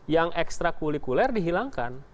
yang ekstra kulikuler dihilangkan